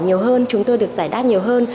nhiều hơn chúng tôi được giải đáp nhiều hơn